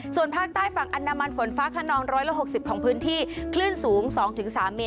ส่วนภาคใต้ฝั่งอนามันฝนฟ้าคนองร้อยละหกสิบของพื้นที่คลื่นสูงสองถึงสามเมตร